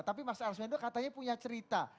tapi mas arswendo katanya punya cerita